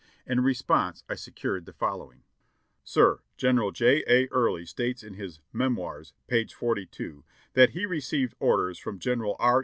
In response I secured the following : "Sir: "General J. A. Early states in his 'Memoirs,' page 42, that he re ceived orders from General R.